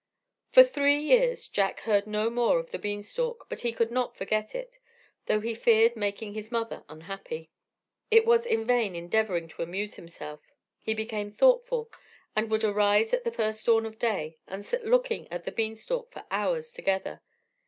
For three years Jack heard no more of the bean stalk, but he could not forget it, though he feared making his mother unhappy. It was in vain endeavouring to amuse himself; he became thoughtful, and would arise at the first dawn of day, and sit looking at the bean stalk for hours together.